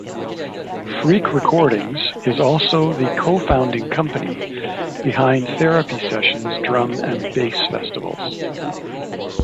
Freak Recordings is also the co-founding company behind Therapy Sessions drum and bass festivals.